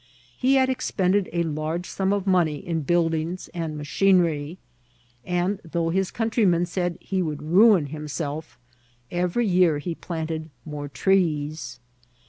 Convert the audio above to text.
He had expended a large sum of money in buildings and machinery; and though his countrymen said he would ruin himself, every year he planted more trees.